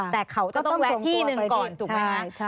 แต่เขาจะต้องแวะที่หนึ่งก่อนถูกไหมคะ